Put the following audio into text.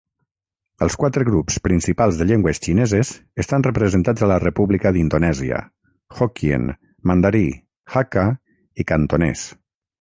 Els quatre grups principals de llengües xineses estan representats a la República d'Indonèsia: hokkien, mandarí, hakka i cantonès.